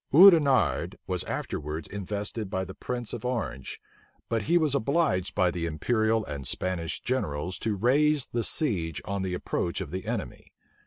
Oudenarde was afterwards invested by the prince of Orange but he was obliged by the imperial and Spanish generals to raise the siege on the approach of the enemy.